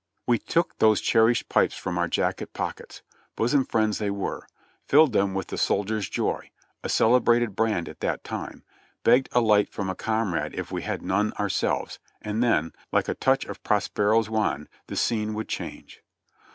We took those cherished pipes from our jacket pockets — bosom friends they were — filled them with "The Soldier's Joy," a celebrated brand at that time, begged a light from a comrade if v/e had none ourselves, and then, like a touch of Prospero's wand, the scene would change.